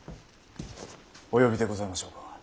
お呼びでございましょうか。